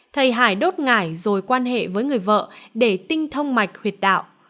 thầy hải đốt ngải rồi quan hệ với người vợ để tinh thông mạch huyệt đạo